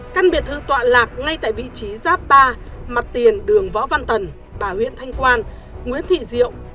căn biệt thự tọa lạc ngay tại vị trí giáp ba mặt tiền đường võ văn tần và huyện thanh quan nguyễn thị diệu